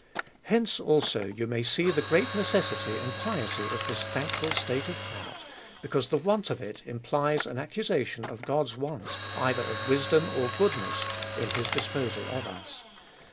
Hence also you may see the great necessity and piety of this thankful state of heart, because the want of it implies an accusation of God's want either of wis dom, or goodness, in his disposal of us.